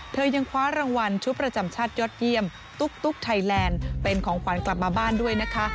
ยังคว้ารางวัลชุดประจำชาติยอดเยี่ยมตุ๊กไทยแลนด์เป็นของขวัญกลับมาบ้านด้วยนะคะ